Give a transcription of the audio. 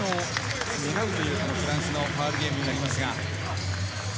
フランスのファウルゲームになりますが。